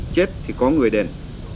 chết thì có người đến